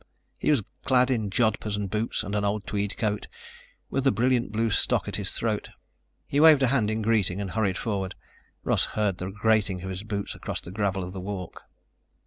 He was clad in jodhpurs and boots and an old tweed coat, with a brilliant blue stock at his throat. He waved a hand in greeting and hurried forward. Russ heard the grating of his boots across the gravel of the walk.